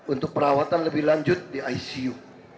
untuk perawatan lebih lanjut di icu